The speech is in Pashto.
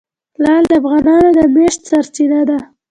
لعل د افغانانو د معیشت سرچینه ده.